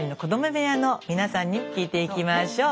部屋の皆さんに聞いていきましょう！